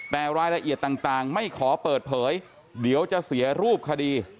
แต่รายละเอียดต่างไม่ขอเปิดเผยเดี๋ยวจะเสียรูปคดี